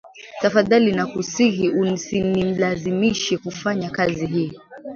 Tafadhali nakusihi usinilazimishe kufanya kazi hii